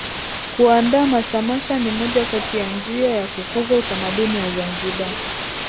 Kuandaa matamasha ni moja kati ya njia ya kukuza utamaduni wa Zanzibar